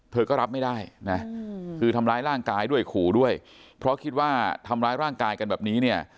เธอก็รับไม่ได้นะคือทำร้ายร่างกายด้วยขู่ด้วยเพราะคิดว่าทำร้ายร่างกายกันแบบนี้เนี่ย